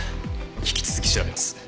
引き続き調べます。